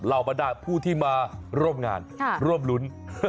เหล่าบรรดาผู้ที่มารบงานรบหลุ้น